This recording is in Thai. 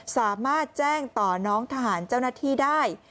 สามารถแจ้งต่อน้องทหารเจ้าหน้าที่ได้